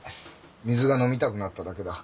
水が飲みたくなっただけだ。